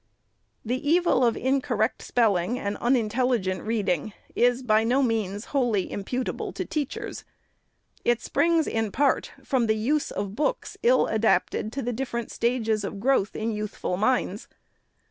The evil of incorrect spelling and unintelligent reading is, by no means, wholly imputable to teachers. It springs, in part, from the use of books ill adapted to the different 8ECOND ANNUAL REPORT. 509 stages of growth in youthful minds.